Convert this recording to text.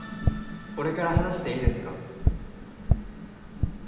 俺から話していいですか？